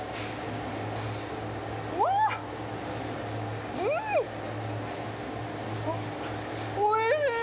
うん、わぁ、うん、おいしい。